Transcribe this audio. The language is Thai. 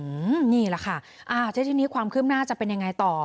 อื้อหือนี่แหละค่ะถ้าที่นี้ความขึ้นมาจะเป็นยังไงต่อ